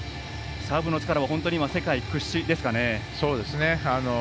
サーブの力は世界屈指ですかね。